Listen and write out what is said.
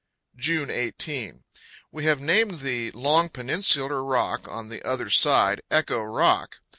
June 18. We have named the long peninsular rock on the other side Echo Rock.